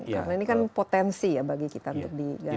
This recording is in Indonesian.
karena ini kan potensi ya bagi kita untuk digambarkan